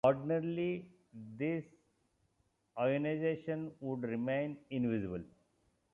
Ordinarily this ionisation would remain invisible.